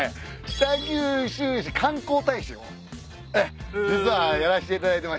北九州市観光大使をええ実はやらせていただいてまして。